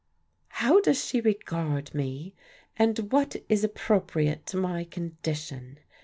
"How does she regard me and what is appropriate to my condition?"